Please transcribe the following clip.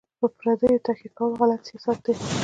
په پردیو تکیه کول غلط سیاست دی.